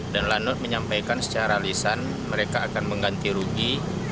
dan lanut menyampaikan secara alisan mereka akan mengganti rugi